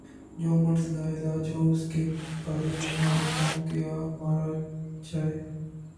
جو مرض لا علاج ہو اس کے بارے میں ہاتھ پاؤں کیا مارا جائے۔